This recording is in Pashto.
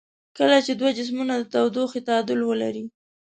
کله چې دوه جسمونه د تودوخې تعادل ولري.